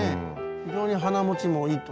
非常に花もちもいいと。